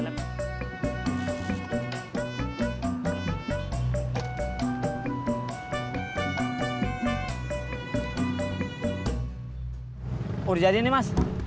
udah jadinya nih mas